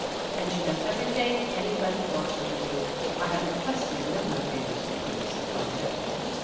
And she does everything any body wants her to do ; I have requested a number of favors on purpose to find out."